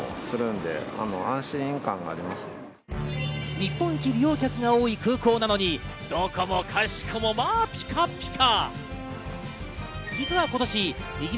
日本一利用客が多い空港なのにどこもかしこもまぁピカピカ。